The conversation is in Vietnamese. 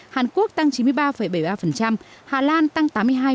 hàn quốc tăng chín mươi ba bảy mươi ba hà lan tăng tám mươi hai năm mươi tám